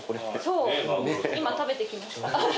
そう今食べてきました。